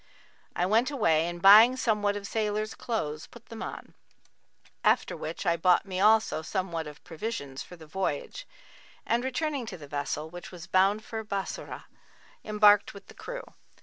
I went away and buying somewhat of sailors' clothes, put them on; after which I bought me also somewhat of provisions for the voyage; and, returning to the vessel, which was bound for Bassorah, embarked with the crew.